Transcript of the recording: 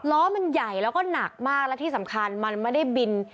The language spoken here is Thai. ล้อมันใหญ่แล้วก็หนักมากและที่สำคัญมันไม่ได้บิน